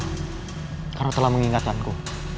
bibi ratu kamu telah mengingatkan ku